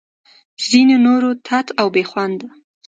ځینو نورو تت او بې خونده